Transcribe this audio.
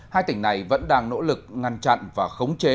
hai tỉnh này vẫn đang nỗ lực ngăn chặn và khống chế